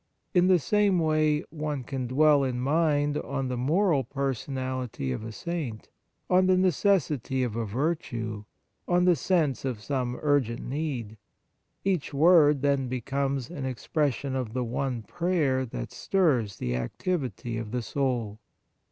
In the same way one can dwell in mind on the moral personality of a saint, on the necessity of a virtue, on the sense of some urgent need; each word then becomes an expression of the one prayer that stirs the activity of the soul.